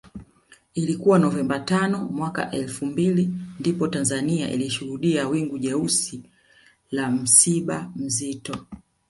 Ilikuwa Novemba tano mwaka elfu mbili ndipo Tanzania ilishuhudia wingu jeusi la msiba mzito